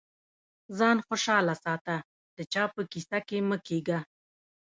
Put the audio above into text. ځان خوشاله ساته د چا په کيسه کي مه کېږه.